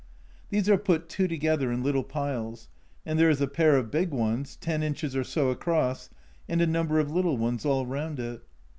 These are put two together in little piles ; and there is a pair of big ones, 10 inches or so across, and a number of little ones all round it.